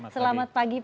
selamat pagi pak